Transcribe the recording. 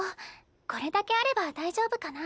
これだけあれば大丈夫かな。